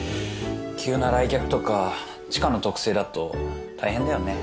急な来客とか知花の特性だと大変だよね。